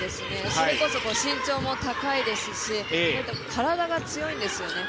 それこそ身長も高いですし、体が強いんですよね。